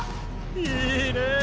いいねぇ！